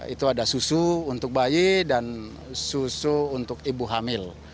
itu ada susu untuk bayi dan susu untuk ibu hamil